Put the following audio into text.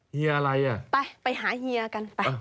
เฮียอะไรอ่ะไปไปหาเฮียกันไป